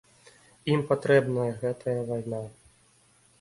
Ім патрэбная гэтая вайна.